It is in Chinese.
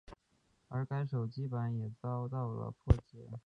而该手机版也遭到了破解。